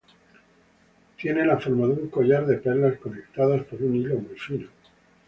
Tiene la forma de un collar de perlas conectadas por un hilo muy fino.